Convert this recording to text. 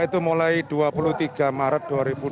itu mulai dua puluh tiga maret